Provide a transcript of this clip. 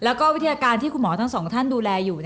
แล้วก็วิทยาการที่คุณหมอทั้งสองท่านดูแลอยู่